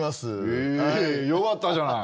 へぇよかったじゃない。